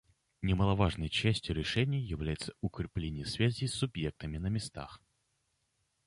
Немаловажной частью решения является укрепление связей с субъектами на местах.